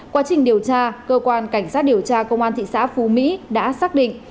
quá trình điều tra cơ quan cảnh sát điều tra công an thị xã phú mỹ đã xác định